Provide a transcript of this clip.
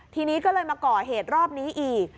ทีนี้ก็เลยมาก่อเหตุรอบนี้อีก